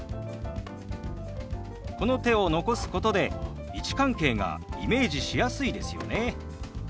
この手を残すことで位置関係がイメージしやすいですよね。